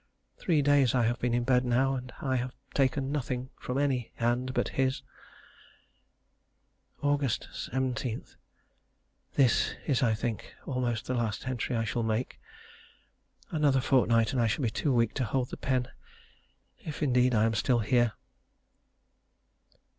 Three days I have been in bed now, but I have taken nothing from any hand but his. Aug. 17. This is, I think, almost the last entry I shall make. Another fortnight and I shall be too weak to hold the pen if, indeed, I am still here.